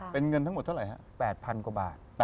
เป็นเงินทั้งหมดเท่าไหร่ฮะ๘๐๐๐กว่าบาท